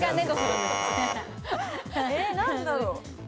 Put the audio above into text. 何だろう？